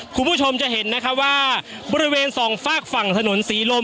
คุณผู้ชมจะเห็นนะคะว่าบริเวณสองฝากฝั่งถนนศรีลม